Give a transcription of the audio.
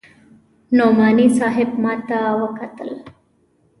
نعماني صاحب ما ته وکتل.